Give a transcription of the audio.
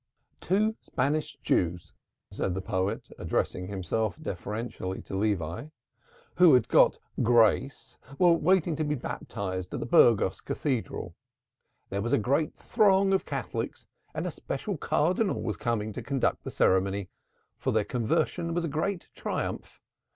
"Two Spanish Jews," said the poet, addressing himself deferentially to Levi, "who had got grace were waiting to be baptized at Burgos Cathedral. There was a great throng of Catholics and a special Cardinal was coming to conduct the ceremony, for their conversion was a great triumph.